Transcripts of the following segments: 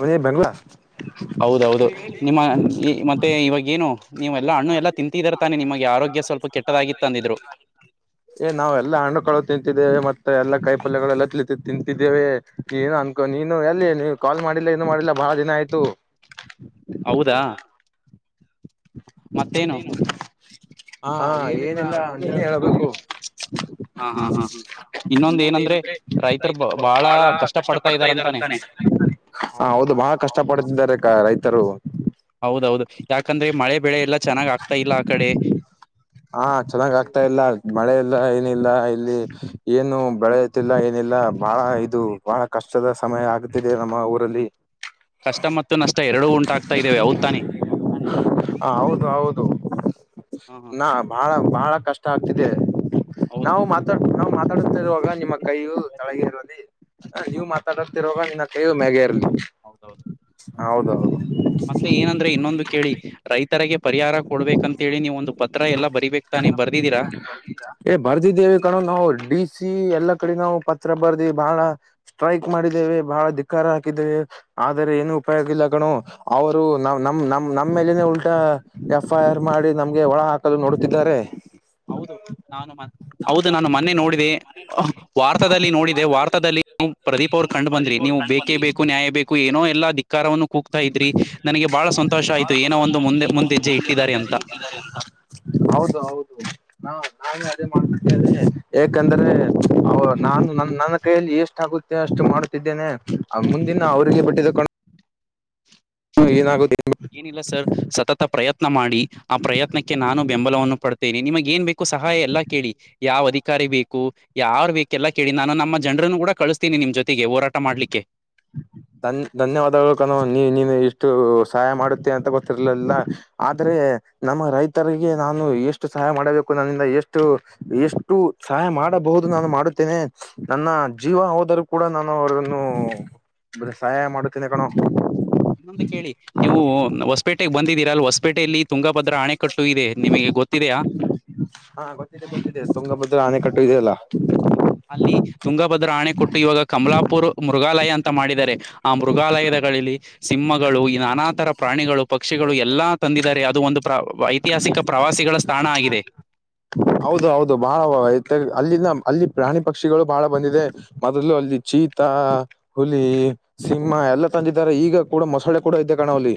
ಮನ ಬೆಂಗ್ಲ ಹೌದೌದು ನಿಮ್ಮ ಮತ್ತೆ ಇವಾಗ ಏನು ನೀವೆಲ್ಲಾ ಹಣ್ಣು ಎಲ್ಲಾ ತಿಂತಿದಾರ ತಾನೆ ನಿಮಗೆ ಆರೋಗ್ಯ ಸ್ವಲ್ಪ ಕೆಟ್ಟದಾಗಿತ್ತ ಅಂದಿದ್ರು ಏ ನಾವೆ ಎಲ್ಲ ಹಣ್ಣು ಕಗಳು ತಿಂತಿದ್ದೇವೆ ಮತ್ತೆ ಎಲ್ಲ ಕೈ ಪಲ್ಯಗಳೆಲ್ಲ ತಿ ತಿಂತಿದ್ದೇವೆ ಏನು ಅನ್ಕೋ ನೀನು ಅಲ್ಲಿ ನೀ ಕಾಲ್ ಮಾಡಿಲ್ಲ ಏನು ಮಾಡಿಲ್ಲ ಬಹಳ ದಿನ ಆಯ್ತು ಹೌದಾ ಮತ್ತೇನು ಹಾ ಏನಿಲ್ಲ ನೀನೇ ಹೇಬೇಕು ಹಾ ಹಾ ಹಾ ಇನ್ನೊಂದ ಏನಂದ್ರೆ ರೈತರು ಬ ಬಾಳ ಕಷ್ಟ ಪಡ್ತಾ ಇದ್ದಾರಂತಾನೆ ಹ ಹೌದು ಬಹಳ ಕಷ್ಟ ಪಡ್ತಿದ್ದಾರೆ ರೈತರು ಹೌದೌದು ಯಾಕಂದ್ರೆ ಮಳೆ ಬೆಳೆ ಎಲ್ಲಾ ಚೆನ್ನಾಗ್ ಆಗ್ತಾ ಇಲ್ಲ ಆ ಕಡೆ ಹಾ ಚೆನ್ನಾಗ್ ಆಗ್ತಾ ಇಲ್ಲ ಮಳೆ ಇಲ್ಲ ಏನಿಲ್ಲ ಇಲ್ಲಿ ಏನು ಬೆಳೆ ಗಿಲ್ಲ ಏನಿಲ್ಲ ಬಹಳ ಇದು ಬಹಳ ಕಷ್ಟದ ಸಮಯ ಆಗುತ್ತಿದೆ ನಮ್ಮ ಊರಲ್ಲಿ ಕಷ್ಟ ಮತ್ತು ನಷ್ಟ ಎರಡೂ ಉಂಟಾಗ್ತಾ ಇದ್ದೇವೆ ಅವಔ ತಾನೆ ಹ ಹೌದು ಹೌದು ಹ ಹ ನಾ ಬಹಳ ಬಾಳ ಕಷ್ಟ ಆಗ್ತಿದೆ ಹೌದು ನಾವು ಮಾತಾಡ್ ನಾವು ಮಾತಾಡ್ತ ಇರುವಾಗ ನಿಮ್ಮ ಕೈಯು ತಳಗ ಇರುವಲ್ಲಿ ಹ ನೀವು ಮಾತಾಡತಿರಾಗ ಇನ್ನ ಕೈಯೂ ಮ್ಯಾಗ ಇರ್ಲಿ ಹೌದೌದು ಹೌದೌದು ಮತ್ತೆ ಏನಂದ್ರೆ ಇನ್ನೊಂದು ಕೆ ಹೇಳಿ ರೈತರರಿಗೆ ಪರಿಹಾರ ಕೊಡ್ಬೇಕಂತೇಳಿ ನೀವೊಂದು ಪತ್ರ ಎಲ್ಲ ಬರಿಬೇಕಕ್ತಾನೆ ಬರ್ದಿದ್ದೀರಾ ಏ ಬರ್ದಿದ್ದೇವಿ ಕಣ ನಾವು ಡಿ ಸಿ ಎಲ್ಲಾ ಕಡೆ ನಾವು ಪತ್ರ ಬರ್ದಿ ಬಾಳ ಸ್ಟ್ರೈಕ್ ಮಾಡಿದ್ದೇವೆ ಬಹಳ ಧಿಕ್ಕಾರ ಹಾಕಿದ್ದೇವೆ ಆದ್ರ ಏನು ಉಪಯ ಇಲ್ಲ ಗಣು ಅವರು ನ್ ನಮ ನ ನಮ್ಮೇಲನೆ ಉಲ್ಟಾ ಎಫ್ ಐ ಆರ್ ಮಾಡಿ ನಮ್ಗೆ ಒಳ ಹಾಕಲು ನೋಡುತ್ತಿದ್ದಾರೆ ಹೌದು ನಾನು ಮ ಹೌದು ನಾನು ಮೊನ್ನೆ ನೋಡಿದೆ ವಾರ್ತದಲ್ಲಿ ನೋಡಿದೆ ವಾರ್ತದಲ್ಲಿವು ಪ್ರದೀಪ್ ಅವ್ರು ಕಂಡ್ ಬಂದ್ರಿ ನೀವು ಬೇಕೇ ಬೇಕು ನ್ಯಾಯ ಬೇಕು ಏನ ಎಲ್ಲ ಕಾರವನ್ನು ಕೂಗ್ತಾ ಇದ್ರಿ ನನಗೆ ಬಹಳ ಸಂತೋಷ ಆಯ್ತು ಏನೋ ಒಂದು ಮುಂದೆ ಮುಂದೆಜ್ಜೆ ಇಟ್ಟಿದ್ದಾರೆ ಅಂತ ಹೌದು ಹೌದು ಹಾ ನಾನೇ ಅದೇ ಮಾಡ್ತಡ್ತೇನೆ ಯಾಕಂದ್ರೆ ಅವ ನಾನು ನ ನನ್ನ ಕೈಯಲ್ಲಿ ಎಷ್ಟ ಆಗುತ್ತ ಅಷ್ಟು ಮಾಡುತ್ತಿದ್ದೇನೆ ಮುಂದಿನ ಅವರಿಗೆ ಬಿಟ್ಟಿದ್ದ ಹಾ ಏನಾಗೋದು ಏನಿಲ್ಲ ಸರ್ ಸತತ ಪ್ರಯತ್ನ ಮಾಡಿ ಆ ಪ್ರಯತ್ನಕ್ಕೆ ನಾನು ಬೆಂಬಲವನ್ನು ಪಡ್ತೇನೆ ನಿಮಗ ಏನ್ ಬೇಕ ಸಹಾಯ ಎಲ್ಲಾ ಕೇಳಿ ಯಾವ್ ಅಧಿಕಾರಿ ಬೇಕು ಯಾರ ವೇಕ ಎಲ್ಲ ಕೇಳಿ ನಾನು ನಮ್ಮ ಜನರನ್ನು ಕೂಡ ಕಳಿಸ್ತೀನಿ ನಿಮ್ ಜೊತೆಗೆ ಹೋರಾಟ ಮಾಡಲಿಕ್ಕೆ ಧನ್ ಧನ್ಯವಾದಗಳು ಕನವ ನೀ ನೀನು ಇಷ್ಟು ಸಹಾಯ ಮಾಡುತ್ತೆ ಅಂತ ಗೊತ್ತಿರ್ಲಿಲ್ಲ ಆದರೆ ನಮ್ಮ ರೈತರಿಗೆ ನಾನು ಎಷ್ಟು ಸಹಾಯ ಮಾಡಬೇಕು ನನ್ನಿಂದ ಎಷ್ಟು ಎಷ್ಟು ಸಹಾಯ ಮಾಡಬಹುದು ನಾನು ಮಾಡುತ್ತೇನೆ ನನ್ನ ಜೀವ ಹೋದರೂ ಕೂಡ ನಾನು ಅವರನ್ನು ಬ ಸಹಾಯ ಮಾಡುತ್ತೀನ ಕಣೋ ಇನ್ನೊಂದು ಕೇಳಿ ನೀವು ಹೊಸಪೇಟೆಗೆ ಬಂದಿದ್ದೀರಾಲವಾ ಹೊಸಪೇಟೆಯಲ್ಲಿ ತುಂಗಭದ್ರ ಅಣೆಕಟ್ಟು ಇದೆ ನಿಮಗೆ ಗೊತ್ತಿದೆಯಾ. ಹಾ ಗೊತ್ತಿದೆ ಗೊತ್ತಿದೆ ತುಂಗಭದ್ರಾ ಆನೆಕಟ್ಟು ಇದೆ ಅಲ್ಲಾ ಅಲ್ಲಿ ತುಂಗಭದ್ರಾ ಆಣೆ ಕೊಟ್ಟು ಇವಾಗ ಕಮಲಾಪುರ್ ಮೃಗಾಲಯ ಅಂತ ಮಾಡಿದ್ದಾರೆ ಆ ಮೃಗಾಲಯದಗಳಲ್ಲಿ ಸಿಂಹಗಳು ನಾನಾ ತರಾ ಪ್ರಾಣಿಗಳು, ಪಕ್ಷಿಗಳು ಎಲ್ಲಾ ತಂದಿದಿದ್ದಾರೆ ಅದು ಒಂದು ಪ್ರ ಐತಿಹಾಸಿಕ ಪ್ರವಾಸಿಗಳ ತಾಣ ಆಗಿದೆ ಹೌದು ಹೌದು ಬಹಳ ಅಲ್ಲಿಂದ ಅಲ್ಲಿ ಪ್ರಾಣಿ ಪಕ್ಷಿಗಳು ಬಹಳ ಬಂದಿದೆ ಮೊದಲು ಅಲ್ಲಿ ಚೀತಾ ಹುಲಿ, ಸಿಂಹಾ ಎಲ್ಲಾ ತಂದಿದ್ದಾರೆ ಈಗ ಕೂಡಾ ಮೊಸಳೆ ಕೂಡಾ ಇದೆ ಕಣೋ ಅಲ್ಲಿ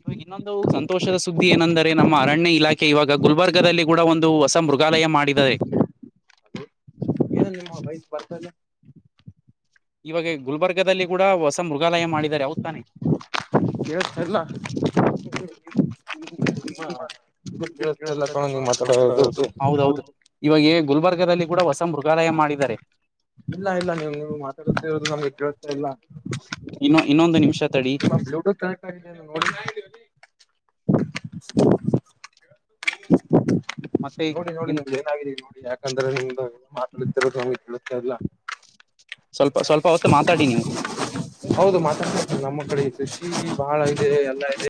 ಇವ ಇನ್ನೊಂದು ಸಂತೋಷದ ಸುದ್ದಿ ಏನೆಂದರೆ ನಮ್ಮ ಅರಣ್ಯ ಇಲಾಖೆ ಇವಾಗ ಗುಲ್ಬರ್ಗಾದಲ್ಲಿ ಕೂಡಾ ಒಂದು ಹೊಸ ಮೃಗಾಲಯ ಮಾಡಿದ್ದಾರೆ. ಅದು ಏನ ನಿಮ್ಮ ವಾಯ್ಸ್ ಬರ್ತಾ ಇಲ್ಲಾ ಇವಾಗ ಗುಲ್ಬರ್ಗಾದಲ್ಲಿ ಕೂಡ ಹೊಸ ಮೃಗಾಲಯ ಮಾಡಿದಿದ್ದಾರೆ ಹೌದ ತಾನೇ ಕೇಳ್ತ ಇಲ್ಲಾ [unintelligible] ಇದ ಕೇಳತ್ತಾ ಇಲ್ಲಾ ಇಲ್ಲ ನೀ ಕಣೋ ನೀವ್ ಮಾತಾಡೋದು ಹೌದೌದು ಹೌದು ಇವಾಗ ಗುಲ್ಬರ್ಗದಲ್ಲಿ ಕೂಡ ಹೊಸ ಮೃಗಾ ಮೃಗಾಲಯ ಮಾಡಿದ್ದಾರೆ ಇಲ್ಲಾ ಇಲ್ಲಾ ನೀವು ನೀವು ಮಾತಾಡುತ್ತಿರೋದು ನಮ್ಗೆ ಕೇಳ್ತಾ ಇಲ್ಲಾ ಇನ್ನೊ ಇನ್ನೊಂದು ನಿಮಿಷಾ ಬ್ಲೂಟೂತ್ ಕನೆಕ್ಟ್ ಆಗಿದೆಯಾ ನೋಡು. ಮತ್ತೆ ನೋಡಿ ನೋಡಿ ಇನ್ ನಿಮಗೆ ನೋಡಿ ಯಾಕಂದ್ರೆ ನಿಮ್ದ ಮಾತಾಡ್ತಿರದು ನಮಗೆ ಕೇಳತ್ತಾ ಇಲ್ಲಾ ಸ್ವಲ್ಪ ಸ್ವಲ್ಪ ಹೊತ್ತು ಮಾತಾಡಿ ನೀವು. ಹೌದು ಮಾತಾಡ್ತತಾರೆ ನಮ್ಮ ಕಡೆ ಕೃಷಿ ಬಾಳ ಇದೆ ಎಲ್ಲಾ ಇದೆ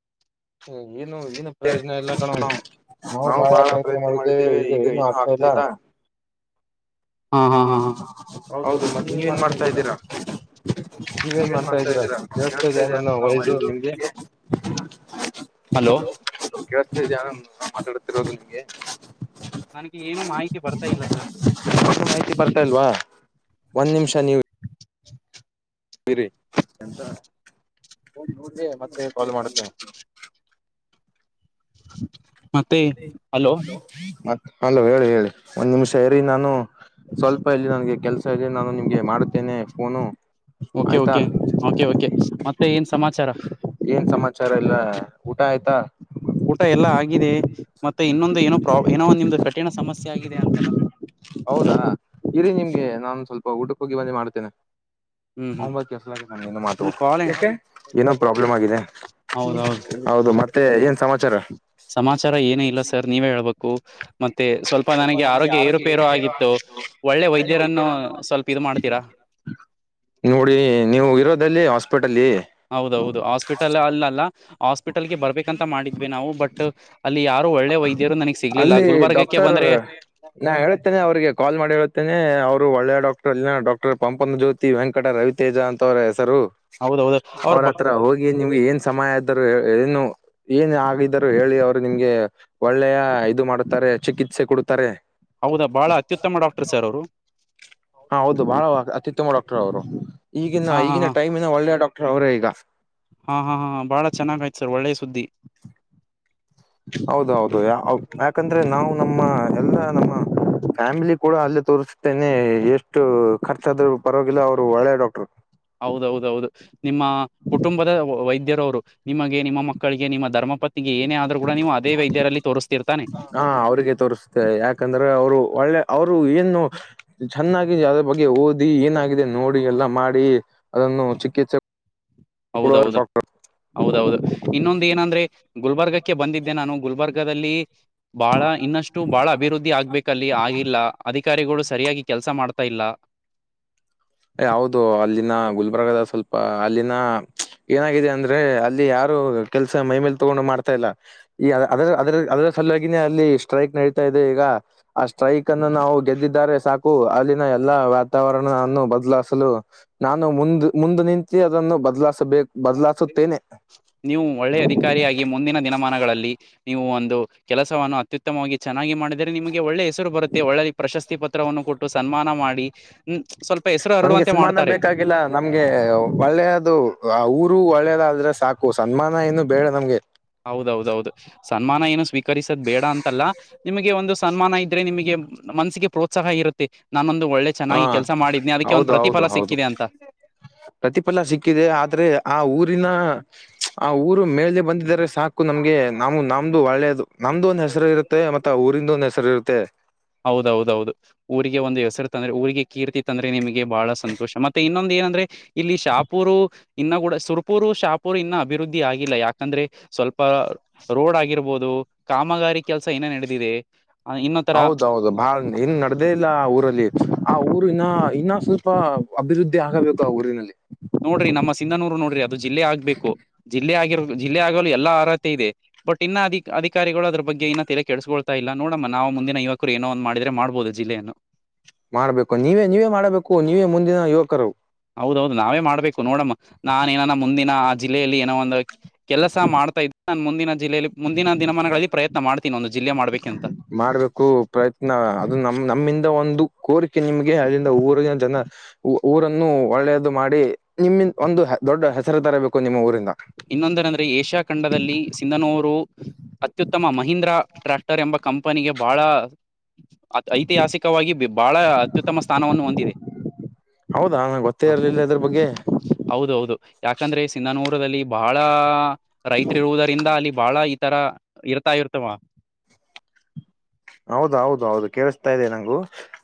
ಹುಂ ಏನು ಏನು ಪ್ರಯೋಜನ ಇಲ್ಲಾ ಕಣೋ ನಾವು ನಾವು ಬಾಳ ಪ್ರಯತ್ನ ಮಾಡಿದ್ದೇವೆ ಈಗ ಏನು ಆಗ್ತಾ ಇಲ್ಲಾ ಹಾ ಹಾ ಹಾ ಹಾ ಹೌದು ಮತ್ ನೀವ ಏನ್ ಮಾಡ್ತಾ ಇದ್ದೀರಾ ನೀವೇನ್ ಮಾಡತ್ತಾ ಇದ್ದೀರಾ ಕೇಳಿಸ್ತಾ ಇದೆಯಾ ಹಲೋ [unintelligible] ಕೇಳತಾ ಇದೆಯಾ ನಾ ಮಾತಾಡತಿರೋದು ನಿಮಗೆ. ನನಗೆ ಏನು ಮಾಹಿತಿ ಬರ್ತಾ ಇಲ್ಲಾ ಸರ್ ಮಾಹಿತಿ ಬರ್ತಾಲ್ವಾ ಒಂದ್ ನಿಮಿಷ ನೀವು ಬರಿ ಎಂತಾ [unintelligible] ಹ ಮತ್ತೆ ಕಾಲ್ ಮಾಡುತ್ತೇನೆ. ಮತ್ತೆ ಹಲೋ ಮತ್ ಹಲೋ ಹೇಳಿ ಹೇಳಿ ಒಂದ್ ನಿಮಿಷ ಇರಿ ನಾನು ಸ್ವಲ್ಪ ಇಲ್ಲಿ ನನ್ಗೆ ಕೆಲ್ಸಾ ನಾನು ನಿಮ್ಗೆ ಮಾಡತ್ತೇನೆ ಪೋನು ಓಕೆ ಓಕೆ ಕೆ ಓಕೆ ಮತ್ತೆ ಏನ್ ಸಮಾಚಾರಾ ಏನ್ ಸಮಾಚಾರಾ ಎಲ್ಲಾ ಊಟ ಆಯ್ತಾ ಊಟ ಎಲ್ಲಾ ಆಗಿದೆ ಮತ್ತೆ ಇನ್ನೊಂದು ಏನೋ ಪ್ರಾಬ್ ಏನೋ ಒಂದು ನಿಮ್ದು ಕಠಿಣ ಸಮಸ್ಯೆ ಆಗಿದೆ ಅಂತಾಲ್ಲಾ ಹೌದಾ ಇರಿ ನಿಮ್ಗೆ ನಾನು ಸ್ವಲ್ಪ ಊಟಕ್ಕೆ ಹೋಗಿ ಬಂದಿ ಮಾಡ್ತೇನೆ ಹ್ಮ್ [unintelligible] ಹ್ಮ್ ಆಗನ್ನ ಮಾತು ಒಂದು ಕಾಲ್ ಎಕೆ ಏನೋ ಪ್ರಾಬ್ಲಮ್ ಆಗಿದೆ ಹೌದೌದು ಹೌದು ಮತ್ತೆ ಏನ್ ಸಮಾಚಾರಾ ಸಮಾಚಾರ ಏನ ಇಲ್ಲಾ ಸರ್ ನೀವೇ ಹೇಳ್ಬೇಕು ಮತ್ತೆ ಸ್ವಲ್ಪ ನನಗೆ ಆರೋಗ್ಯ ಏರುಪೇರು ಆಗಿತ್ತು ಒಳ್ಳೆ ವೈದ್ಯರನ್ನು ಸ್ವಲ್ಪ ಇದು ಮಾಡ್ತೀರಾ ನೋಡಿ ನೀವಿರೋದಲ್ಲಿ ಹಾಸ್ಪಿಟಲ್ಲಿ ಹೌದೌದು ಹೌದೌದ ಹಾಸ್ಪಿಟಲ್ ಅಲ್ಲಲ್ಲ ಹಾಸ್ಪಿಟಲ್ಗೆ ಬರ್ಬೇಕಂತ ಮಾಡಿದ್ವಿ ನಾವು ಬಟ್ ಅಲ್ಲಿ ಯಾ ರು ಒಳ್ಳೆ ವೈದ್ಯರು ನನಗ್ ಸಿಗ್ಲಿಲ್ಲ ಅಲ್ಲಿ ಗುಲ್ಬರ್ಗಕ್ಕೆ ಡಾಕ್ಟರ್ ಬಂದ್ರೆ ನಾ ಹೇಳ್ತೇನೆ ಅವ್ರಿಗೆ ಕಾಲ್ ಮಾಡಿ ಹೇಳ್ತೇನೆ ಅವರು ಒಳ್ಳೆ ಡಾಕ್ಟರ್ ಅಲ್ಲಿನ ಡಾಕ್ಟರ್ ಪಂಪನ ಜ್ಯೋತಿ ತಿ ವೆಂಕಟ ರವಿತೇಜ ಅಂತ ಅವ್ರ ಹೆಸರು ಹೌದೌದು ಅವ್ರು ಅವ್ರತ್ರ ಹೋಗ್ ಗಿ ನಿಮ್ಗೆ ಏನ್ ಸಮಾಯ ಇದ್ದರು ಏನು ಏನ್ ಆಗಿದ್ದರು ಹೇಳಿ ಅವ್ರು ನಿಮ್ಗೆ ಒಳ್ಳೆಯ ಇದು ಮಾಡುತ್ತಾರೆ ಚಿಕಿತ್ಸೆ ಕೊಡುತ್ತಾರೆ. ಹೌದಾ ಬಾಳ ಅತ್ಯುತ್ತಮ ಡಾಕ್ಟರ್ ಸರ್ ಅವರು ಹಾ ಹೌದು ಬಾಳ ಅತ್ಯುತ್ತಮ ಡಾಕ್ಟರ್ ಅವ್ರು ಈಗಿನ ಹಾ ಹಾ ಈಗಿನ ಹಾ ಟೈಮೀನ ಒಳ್ಳೆ ಡಾಕ್ಟರ್ ಅವರೇ ಈಗ ಹಾ ಹಾ ಹಾ ಬಾಳ ಚೆನ್ನಾಗ ಆಯ್ತ ಸರ್ ಒಳ್ಳೆ ಸುದ್ದಿ ಹೌದೌದು ಅವ್ ಯಾಕಂದ್ರೆ ನಾವು ನಮ್ಮ ಎಲ್ಲಾ ನಮ್ಮ ಫ್ಯಾಮಿಲಿ ಕೂಡ ಅಲ್ಲೇ ತೋರಿಸತೇನೆ ಎಷ್ಟು ಖರ್ಚಾದ್ರೂ ಪರವಾಗಿಲ್ಲ ಅವ್ರು ಒಳ್ಳೆ ಡಾಕ್ಟರ್ ಹೌದೌದೌದ ನಿಮ್ಮಾ ಕುಟುಂಬದ ವೈದ್ಯರವರು ನಿಮಗೆ ನಿಮ್ಮ ಮಕ್ಕಳಿಗೆ ನಿಮ್ಮ ಧರ್ಮ ಪತ್ ತ್ನಿಗೆ ಏನೇ ಆದ್ರು ಕೂಡ ನೀವು ಅದೇ ವೈದ್ಯರಲ್ಲಿ ತೋರಿಸ್ತಿರ್ತಾನೆ ಹಾ ಅವ್ರರಿಗೆ ತೋರಿಸತು ತ್ತೆ ಯಾಕಂದ್ರೆ ಅವ್ರು ಒಳ್ಳೆ ಅವರು ಏನು ಚೆನ್ನಾಗಿ ಅದ್ರ ಬಗ್ಗೆ ಓದಿ ಏನಾಗಿದೆ ನೋಡಿ ಎಲ್ಲಾ ಮಾಡಿ ಅದನ್ನು ಚಿಕಿತ್ಸೆ ಕೊಡುವ ಹೌದೌದ ಡಾಕ್ಟರ್ ಹೌದೌದ ಇನ್ನೊಂದ ಏನಂದ್ರೆ ಗುಲ್ಬರ್ಗಕ್ಕೆ ಬಂದಿದ್ದೆ ನಾನು ಗುಲ್ಬರ್ಗದಲ್ಲಿ ಬಾಳಾ ಇನ್ನಷ್ಟು ಬಾಳ ಅಭಿವೃದ್ಧಿ ಆಗ್ಬೇಕಲ್ಲಿ ಆಗಿಲ್ಲ ಅಧಿಕಾರಿಗಳು ಸರಿಯಾಗಿ ಕೆಲ್ಸ ಮಾಡ್ತಾ ಇಲ್ಲ. ಎ ಹೌದು ಅಲ್ಲಿನ ಗುಲ್ಬರ್ಗದ ಸ್ವಲ್ಪ ಅಲ್ಲಿನ ಏನಾಗಿದೆ ಅಂದ್ರೆ ಅಲ್ಲಿ ಯಾರು ಕೆಲ್ಸಾ ಮೈಮೇಲ್ ತಗೊಂಡು ಮಾಡ್ತಾ ಇಲ್ಲ ಈ ಅದ್ರ ಅದ್ರ ಅದರ ಸಲುವಾಗಿನೇ ಅಲ್ಲಿ ಸ್ಟ್ರೈಕ್ ನಡೀತಾ ಇದೆ ಈಗ ಆ ಸ್ಟ್ರೈಕ್ ಅನ್ನು ನಾವು ಗೆದ್ದಿದ್ದಾರೆ ಸಾಕು ಅಲ್ಲಿನ ಎಲ್ಲಾ ವಾತಾವರಣವನ್ನು ಬ ಬದಲಾಸಲು ನಾನು ಮುಂದ ಮುಂದ ನಿಂತಿ ಅದನ್ನು ಬದ್ಲಾಸಬೇಕ ನೀವು ಒಳ್ಳೆಯ ಅಧಿಕಾರಿಯಾಗಿ ಮುಂದಿನ ದಿನಮಾನಗಳಲ್ಲಿ ನೀವು ಒಂದು ಕೆಲಸವನ್ನು ಅತ್ಯುತ್ತಮವಾಗಿ ಚೆನ್ನಾಗಿ ಮಾಡಿದ ದರೆ ನಿಮಗೆ ಒಳ್ಳೆ ಹೆಸರು ಬರುತ್ತೆ ಒಳ್ಳೆ ಪ್ರಶಸ್ತಿ ಪತ್ರವನ್ನು ಕೊಟ್ಟು ಸನ್ಮಾನ ಮಾಡಿ ಹ್ಮ ಸ್ವಲ್ಪ ಹೆಸರು ನಂಗೆ ಹರಡುವಂತೆ ಸಮ್ಮಾನ ಮಾಡ್ತಾರೆ ಬೇಕಾಗಿಲ್ಲ ನಮ್ಗೆ ಒಳ್ಳೆಯದು ಆ ಊರು ಒಳ್ಳೇದಾದ್ರೆ ಸಾಕು ಸನ್ಮಾನ ಏನು ಬೇಡ ನಮ್ಗೆ ಹೌದೌದೌದು ಸನ್ಮಾನ ಏನು ಸ್ವೀಕರಿಸದ ಬೇಡ ಅಂತಲ್ಲ ನಿಮಗೆ ಒಂದು ಸನ್ಮಾನ ಇದ್ರೆ ನಿಮಗೆ ಮನಸ್ಸಿಗೆ ಪ್ರೋತ್ಸಾಹ ಇರುತ್ತೆ ನಾನೊಂದು ಒಳ್ಳೆ ಹಾ ಚೆನ್ನಾಗಿ ಕೆಲ್ಸ ಮಾಡಿದ್ನಿ ಅದಕ್ಕೆ ಒಂದ ಹೌದು ಹೌದು ಪ್ರತಿಫಲ ಹೌದು ಸಿಕ್ಕಿದೆ ಅಂತ. ಪ್ರತಿಫಲ ಸಿಕ್ಕಿದೆ ಆದ್ರೆ ಆ ಊರಿನ ಪ್ಚ್ ಆ ಊರು ಮೇಲೆ ಬಂದಿದದರೆ ಸಾಕು ನಮ್ಗೆ ನಮ್ ನಮ್ದು ಒಳ್ಳೇದು ನಮ್ದು ಒಂದ್ ಹೆಸರ ಇರುತ್ತೆ ಮತ್ತೆ ಊರಿಂದ ಒಂದ್ ಹೆಸರ ಇರುತ್ತೆ. ಹೌದೌದೌದು ಊರಿಗೆ ಒಂದು ಹೆಸರು ತಂದ್ರ ಊರಿಗೆ ಕೀರ್ತಿ ತಂದ್ರೆ ನಿಮಗೆ ಬಾಳ ಸಂತೋಷ ಮತ್ತೆ ಇನ್ನೊಂದ ಏನಂದ್ರೆ ಇಲ್ಲಿ ಶಾಪೂರು ಇನ್ನು ಕೂಡಾ ಸುರ್ಪೂರು ಶಾಪೂರ್ ಇನ್ನ ಅಭಿವೃದ್ಧಿ ಆಗಿಲ್ಲ ಯಾಕಂದ್ರೆ ಸ್ವಲ್ಪ ರೋಡ್ ಆಗಿರ್ಬೋದು ಕಾಮಗಾರಿ ಕೆಲ್ಸ ಏನೇ ನಡೆದಿದೆ ಆ ಇನ್ನೊ ತರ ಹೌದು ಬಾಳ ಏನ್ ನಡದೇ ಇಲ್ಲ ಆ ಊರಲ್ಲಿ ಆ ಊರು ಇನ್ನಾ ಇನ್ನ ಸ್ವಲ್ಪ ಅಭಿವೃದ್ಧಿ ಆಗಬೇಕು ಆ ಊರಿನಲ್ಲಿ ನೋಡ್ರಿ ನಮ್ಮ ಸಿಂಧನೂರು ನೋಡ್ರಿ ಅದು ಜಿಲ್ಲೆ ಆಗ್ಬೇಕು ಜಿಲ್ಲೆ ಆಗಿರ ಜಿಲ್ಲೆ ಆಗಲು ಎಲ್ಲಾ ಅರ್ಹತೆ ಇದೆ ಬಟ್ ಇನ್ನ ಅಧಿ ಅಿಕಾರಿಗಳುದ ಬಗ್ಗೆ ಇನ್ನ ತಲ ಕ ಕೆಳ್ಸ್ಕೊಳ್ತಾ ಇಲ್ಲ ನೋಡಮ್ಮ ನಾವು ಮುಂದಿನ ಯುವಕರು ಏನೋ ಒಂದ ಮಾಡ್ರೆ ಮಾಡ್ಬೋದು ಜಿಲ್ಲೆಯನ್ನು ಮಾಡ್ಬೇಕು ನೀವೇ ನೀವೇ ಮಾಡಬೇಕು ನೀವೇ ಮುಂದಿನ ಯುವಕರು ಹೌದೌದು ನಾವೇ ಮಾಡ್ಬೇಕು ನೋಡಮ್ಮ ನಾನ ಏನಾನ ಮುಂದಿನ ಆ ಜಿಲ್ಲೆಯಲ್ಲಿ ಏನೋ ಒಂದ ಕೆಲಸ ಮಾಡ್ತಾ ಇದ್ದೆ ನಾನನ್ ಮುಂದಿನ ಜಿಲ್ಲೆಯಲ್ಲಿ ಮುಂದಿನ ದಿನಮಾನಗಳಲ್ಲಿ ಪ್ರಯತ್ನ ಮಾಡ್ತೀನಿ ಒಂದು ಜಿಲ್ಲೆ್ಬೇಕಂತ ಮಾಡ್ಬೇಕು ಪ್ರಯತ್ನ ಅದು ನಮ ನಮ್ಮಿಂದ ಒಂದು ಕೋರಿಕೆ ನಿಮ್ಗೆ ಅಲ್ಲಿಂದ ಊರಿನ ಜನ ಊರನ್ನು ಒಳ್ಳೇದು ಮಾಡಿ ನಿಮ್ಮಿಂದ ಒಂದು ದೊಡ್ಡ ಹೆಸರು ತರಬೇಕು ನಿಮ್ಮ ಊರಿಂದ ಇನ್ನೊಂದನ ಅಂದ್ರೆ ಏಷ್ಯಾ ಖಂಡದಲ್ಲಿ ಸಿಂಧನೂರು ಅತ್ಯುತ್ತಮ ಮಹೀಂದ್ರಾ ಟ್ರ್ಯಾಕ್ಟರ್ ಎಂಬ ಕಂಪನಿಗೆ ಬಹಳ ಐತಿಹಾಸಿಕವಾಗಿ ಬಹಳ ಅತ್ಯುತ್ತಮ ಸ್ಥಾನವನ್ನು ಹೊಂದಿದೆ ಹೌದಾ ನಂಗೆ ಗೊತ್ತೇ ಇರ್ಲಿಲ್ಲ ಅದ್ರ ಬಗ್ಗೆ ಹೌದೌದು ಯಾಕಂದ್ರೆ ಸಿಂಧನೂರದಲ್ಲಿ ಬಹಳ ರೈತ್ ಇರುವುದರಿಂದ ಅಲ್ಲಿ ಬಾಳ ಈ ತರ ಇರ್ತಾ ಇರ್ತವಾ ಹೌದೌದು ಹೌದು ಕೇಳಿಸ್ತಾ ಇದೆ ನಂಗು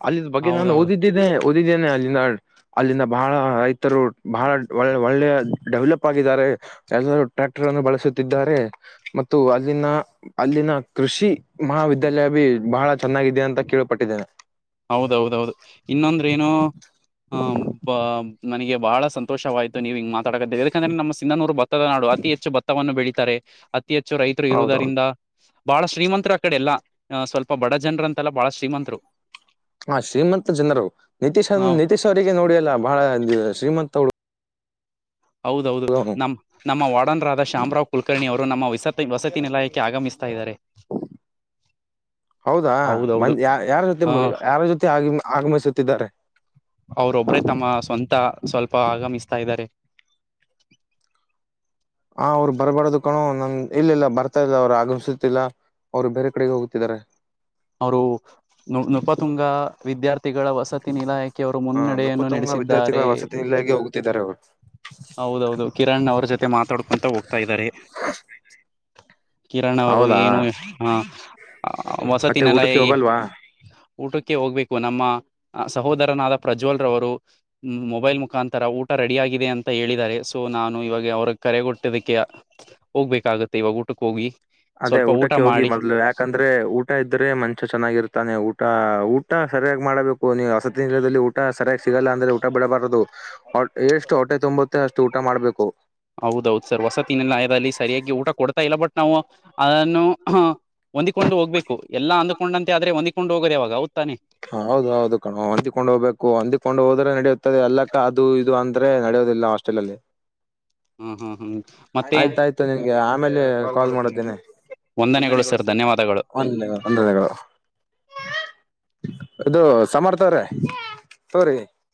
ಅಲ್ಲಿ ಬಗ್ಗೆ ನಾನು ಹೌದೌದು ಓದಿದ್ದೇನೆ ಓದಿದ್ದೇನೆ ಅಲ್ಲಿನ ಅಲ್ಲಿಂದ ಬಹಳ ರೈತರು ಬಹಳ ಒಳ್ಳೆ ಒಳ್ಳೆ ಡೆವಲಪ್ ಆಗಿದ್ದಾರೆ ಎಲ್ಲರೂ ಟ್ರ್ಯಾಕ್ಟರ್ ಅನ್ನು ಬಳಸುತ್ತಿದ್ದಾರೆ ಮತ್ತು ಅಲ್ಲಿನ ಅಲ್ಲಿನ ಕೃಷಿ ಮಹಾವಿದ್ಯಾಲಯ ಬಹಳ ಚೆನ್ನಾಗಿದೆ ಅಂತ ಕೇೇಳಳ್ಪಟ್ಟಿದ್ದೇನೆ ಹೌದೌದೌದು ಇನ್ನೊಂದ್ರ ಏನು ಹ ಬ ನನಗೆ ಬಹಳ ಸಂತೋಷವಾಯ್ತು ನೀವ ಹಂಗ ಮಾ ತಡಗದ ಯಾಕಂದ್ರೆ ನಮ್ಮ ಸಿಂಧನೂರು ಭತ್ತದ ನಾಡು ಅತಿ ಹೆಚ್ಚು ಭತ್ತವನ್ನು ಬೆಳೀಿತಾರೆ ಅತಿ ಹೆಚ್ಚು ರೈತರು ಹೌದೌದು ಇರುವುದರಿಂದ ಬಾಳ ಶ್ರೀಮಂತರು ಆಕಡೆ ಎಲ್ಲ ಸ್ವಲ್ಪ ಬಡ ಜನ್ರ ಅಂತೆಲ್ಲ ಬಾಳ ಶ್ರೀಮಂತರು ಹ ಶ್ರೀಮಂತ ಜನರು ನಿತೀಶ್ ಹ ನಿತೀಶ್ ಅವರಿಗೆ ನೋಡಿ ಅಲ್ಲ ಬಹಳ ಶ್ರೀಮಂತತ್ ಅವಳ ಹೌದೌದು ನಮ್ಮ ನಮ್ಮ ವಾರ್ಡನರಾದ ಶಾಮರಾವ್ ಕುಲಕರ್ಣಿ ಅವರು ನಮ್ಮ ವಸತಿ ವಸತಿ ನಿಲಯಕ್ಕೆ ಆಗಮಿಸ್ತಾ ಇದ್ದಾರೆ [inaudible] ಹೌದಾ ಹೌದೌದು ಬಂದ ಯ ಯಾರ ಜೊತೆ ಆ ಯಾರ ಜೊತೆ ಆಗ ಆಗಮಿಸುತ್ತಿದ್ದಾರೆ ಅವ್ರೊಬ್ಬ್ರೇ ತಮ್ಮ ಸ್ವಂತ ಸ್ವಲ್ಪ ಆಗಮಿಸ್ತಾ ಇದಾರೆ ಆ ಅವ್ರು ಬರ್ಬಾರ್ದು ಕಣು ನಮ ಇಲ್ಲ ಇಲ್ಲ ಬರ್ತಾ ಇಲ್ಲ ಅವ್ರು ಆಗಮಸತಿಿಲ್ಲ ಅವ್ರು ಬೇರೆ ಕಡೆಗೆ ಹೋಗುತ್ತಿದ್ದಾರೆ ಅವರು ನಪ್ಪತ್ತುಂಗ ವಿದ್ಯಾರ್ಥಿ ವ್ಯ ಗಳ ವಸತಿ ನಿ ಇಲಾಖೆ ಅವರು ಹ ಮುನ್ನಡೆಯನ್ನು ನಕುತುಂಗ ನಡೆಸಿದ್ದಾರೆ ವಿದ್ಯಾರ್ಥಿಗಳ ವಸತಿ ನಿಲಯಕ್ಕೆ ಹೋಗುತ್ತಿದ್ದಾರೆ ಅವರು ಹೌದೌದು ಕಿರಣ್ ಅವ್ರ ಜೊತೆ ಮಾತಾಡ್ಕೊಂತ ಹೋಗ್ತಾ ಇದ್ದಾರೆ ಕಿರಣ್ ಅವರು ಹೌದಾ ಏನು ಹ ಮತ್ತೆ ವಸತಿನೆಲ್ಲ ಊಟಕ್ಕೆ ಹೇಗ ಹೋಗಲ್ವಾ ಊಟಕ್ಕೆ ಹೋಗ್ಬೇಕು ನಮ್ಮ ಸಹೋದರನಾದ ಪ್ರಜ್ವಲ್ರವರು ಮೊಬೈಲ್ ಮುಖಾಂತರ ಊಟ ರೆಡಿ ಆಗಿದೆ ಅಂತ ಹೇಳಿದ್ದಾರೆ ಸೊ ನಾನು ಇವಾಗ ಅವ್ರ ಕರೆಗಟ್ಟದಕ್ಕೆ ಹೋಗ್ಬೇಕಾಗತ್ತೆ ಇವಾಗ ಊಟಕ್ಕೆ ಹೋಗಿ ಅದೇ ಸ್ವಲ್ಪ ಊಟ ಊಟಕ್ಕೆ ಹೋಗಿ ಮಾಡಿ ಮೊದಲು ಯಾಕೆ ಯಾಕಂದ್ರೆ ಊಟ ಇದ್ದ್ರೆ ಮನುಷ್ಯ ಚೆನ್ನಾಗಿರ್ತಾನೆ ಊಟ ಊಟ ಸರಿಯಾಗಿ ಮಾಡಬೇಕು ನೀವು ಹಸತಿ ನಿಲದಲ್ಲಿ ಊಟ ಊಟ ಸರಿಯಾಗಿ ಸಿಗಲ್ಲ ಅಂದ್ರೆ ಊಟ ಬಿಡಬಾರದು ಎಷ್ಟು ಹೊಟೆ ತುಂಬುತ್ತೆ ಅಷ್ಟು ಊಟ ಮಾಡ್ಬೇಕು ಹೌದೌದು ಸರ್ ಹೊಸತಿಿನಲ್ಲಯದಲ್ಲಿ ಸರಿಯಾಗಿ ಊಟ ಕೊಡ್ತಾ ಇಲ್ಲ ಬಟ್ ನಾವು ಅದನ್ನು ಹೊಂದ್ಕೊಂಡು ಹೋಗ್ಬೇಕು ಎಲ್ಲ ಅಂದ್ಕೊಂಡಂತೆ ಆದ್ರೆ ಹೊಂದ್ಕೊಂಡು ಹೋಗದೆ ಅವವಾಗ ಹಓ್ತಾನೆ ಹೌದ ಹೌದು ಕಣು ಹೊಂದಿಕೊಂಡು ಹೋಗ್ಬೇಕು ಹೊಂದಿಕೊಂಡು ಹೋದ್ರೆ ನಡೆಯುತ್ತದೆ ಎಲ್ಲಕ್ಕ ಅದು ಇದು ಅ ಹ ನಡೆಯೋುದಿಲ್ಲ ಹಾಸ್ಟೆಲ್ ಅಲ್ಲಿ ಹ್ಮ್ ಹ್ಮ್ ಹ್ಮ್. ಮತ್ತೇ ಆಯ್ತ್ ಆಯ್ತಾಯ್ತು ಆಯ್ತ್ ನಿನ್ಗೆ ಆಮೇಲೆ ಕಾಲ್ [unintelligible] ಮಾಡತ್ತೇನೆ ವಂದನೆಗಳು ಸರ್ ಧನ್ಯವಾದಗಳು. ವಂದನೆ ವಂದನೆಗಳು. ಇದು ಸಮರ್ಥ ಅವರೇ ತಗೋರಿ.